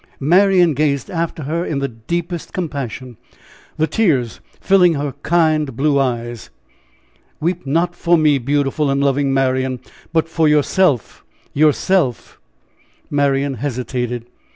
Marian gazed after her in the deepest compassion, the tears filling her kind blue eyes. "Weep not for me, beautiful and loving Marian, but for yourself yourself!" Marian hesitated.